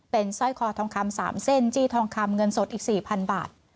เป็นสร้อยคอทองคำ๓เส้นจี้ทองคำเงินสดอีก๔๐๐๐บาท